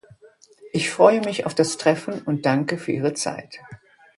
Ich freue mich auf das Treffen und danke für Ihre Zeit.